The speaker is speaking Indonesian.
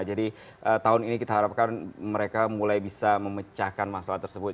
jadi tahun ini kita harapkan mereka mulai bisa memecahkan masalah tersebut